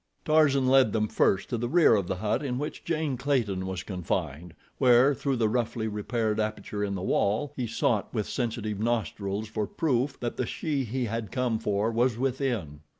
Tarzan led them first to the rear of the hut in which Jane Clayton was confined, where, through the roughly repaired aperture in the wall, he sought with his sensitive nostrils for proof that the she he had come for was within.